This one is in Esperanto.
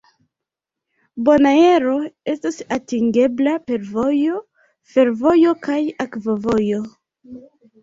Bonaero estas atingebla per vojo, fervojo, kaj akvovojo.